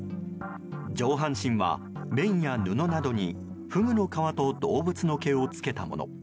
上半身は綿や布などにフグの皮と動物の毛をつけたもの。